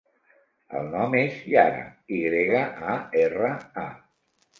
El nom és Yara: i grega, a, erra, a.